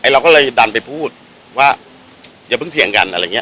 เราก็เลยดันไปพูดว่าอย่าเพิ่งเถียงกันอะไรอย่างนี้